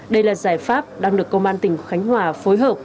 đây là giải pháp đang được công an tỉnh khánh hòa phối hợp